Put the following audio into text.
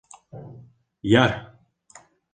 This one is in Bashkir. Яр!..